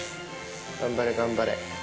頑張れ、頑張れ。